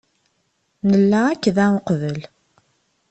Nella akk da uqbel.